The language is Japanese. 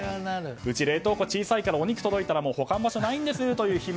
うち、冷凍庫にお肉が届いたら保管場所がないんですという悲鳴。